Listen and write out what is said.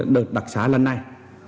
đợt đặc xá lần này